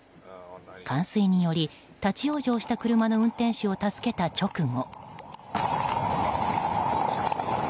冠水により立ち往生した車の運転手を助けた直後。